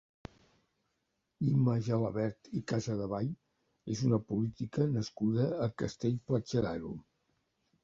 Imma Gelabert i Casadevall és una política nascuda a Castell-Platja d'Aro.